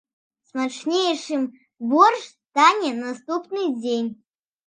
Смачнейшым боршч стане на наступны дзень.